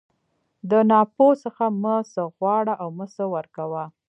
د ناپوه څخه مه څه غواړه او مه څه ورکوه.